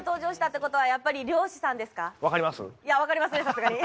いや、分かりますね、さすがに！